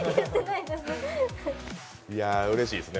いや、うれしいですね